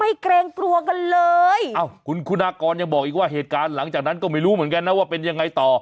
เกรงกลัวกันเลยอ้าวคุณคุณากรยังบอกอีกว่าเหตุการณ์หลังจากนั้นก็ไม่รู้เหมือนกันนะว่าเป็นยังไงต่อ